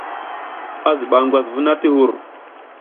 A ziɓa ngwas vuna ti hur.